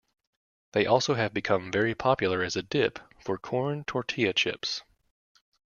They also have become very popular as a dip for corn tortilla chips.